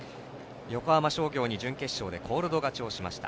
横浜商業に準決勝でコールド勝ちをしました。